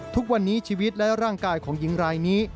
ทุกวันนี้ชีวิตและร่างกายของหญิงรายนี้